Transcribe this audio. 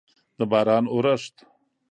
د باران اورښت